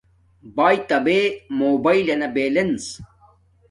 بایتا بے موباݵلنا بلنس